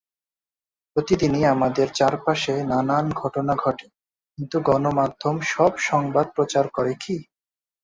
প্রতিদিনই আমাদের চারপাশে নানান ঘটনা ঘটে, কিন্তু গণমাধ্যম সব সংবাদ প্রচার করে কী?